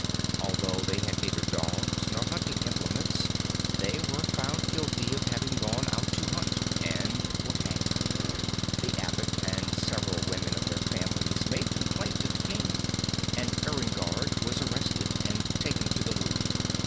Although they had neither dogs nor hunting implements, they were found guilty of having gone out to hunt and were hanged. The abbot and several women of their families made complaint to the king, and Enguerrard was arrested and taken to the Louvre.